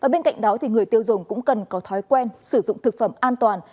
bên cạnh đó người tiêu dùng cũng cần có thói quen sử dụng thực phẩm an toàn